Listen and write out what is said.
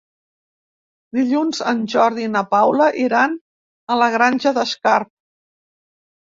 Dilluns en Jordi i na Paula iran a la Granja d'Escarp.